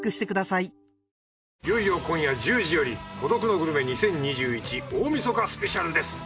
いよいよ今夜１０時より『孤独のグルメ２０２１大晦日スペシャル』です。